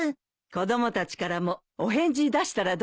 子供たちからもお返事出したらどう？